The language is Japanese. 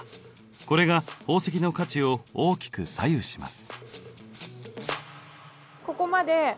これが宝石の価値を大きく左右します。